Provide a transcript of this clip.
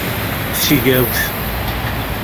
Tigawt!